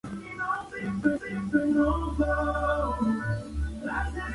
Topográficamente, alternan llanuras secas con elevados volcanes activos y vertiginosos acantilados.